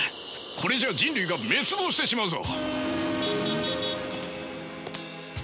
これじゃあ人類が滅亡してしまうぞ。